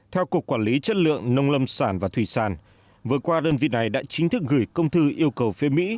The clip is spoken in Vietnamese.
theo cục quản lý chất lượng nông lâm sản và thủy sản vừa qua đơn vị này đã chính thức gửi công thư yêu cầu phía mỹ